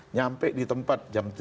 nyampe di tempat jam tujuh